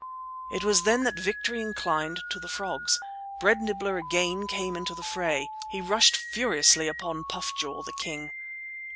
It was then that victory inclined to the frogs. Bread Nibbler again came into the fray. He rushed furiously upon Puff jaw the king.